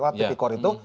alat ipcor itu